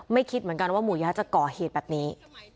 คิดเหมือนกันว่าหมูยะจะก่อเหตุแบบนี้